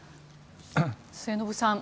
末延さん